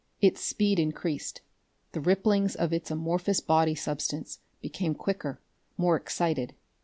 Its speed increased; the ripplings of its amorphous body substance became quicker, more excited.